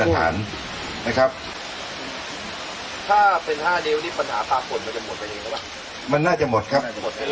หมดไปเองแล้วะมันน่าจะหมดครับ